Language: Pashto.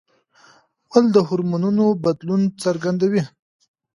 غول د هورمونونو بدلونه څرګندوي.